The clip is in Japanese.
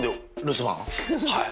はい。